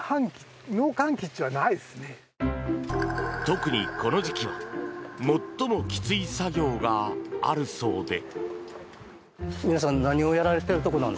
特にこの時期は最もきつい作業があるそうで。